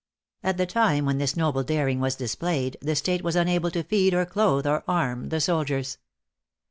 At the time when this noble daring was displayed, the State was unable to feed or clothe or arm the soldiers.